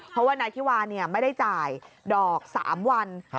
เพราะว่านายธิวาไม่ได้จ่ายดอก๓วัน